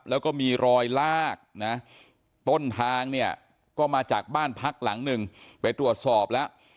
แล้วก็มีรอยลากนะต้นทางเนี่ยก็มาจากบ้านพักหลังหนึ่งไปตรวจสอบแล้ว